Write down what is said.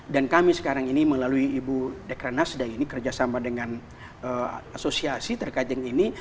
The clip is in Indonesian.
dan kami sekarang ini melalui ibu dekra nasdaq ini kerjasama dengan asosiasi terkajeng ini